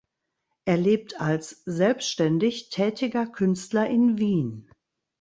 Er lebt als selbständig tätiger Künstler in Wien.